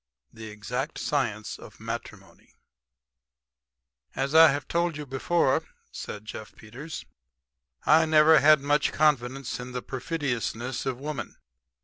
THE EXACT SCIENCE OF MATRIMONY "As I have told you before," said Jeff Peters, "I never had much confidence in the perfidiousness of woman.